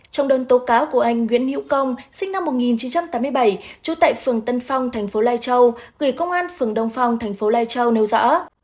trong đơn tố cáo của anh nguyễn hữu công sinh năm một nghìn chín trăm tám mươi bảy trú tại phường tân phong thành phố lai châu gửi công an phường đông phong thành phố lai châu nêu rõ